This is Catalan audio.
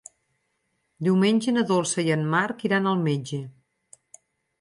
Diumenge na Dolça i en Marc iran al metge.